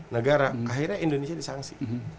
negara akhirnya indonesia disangsi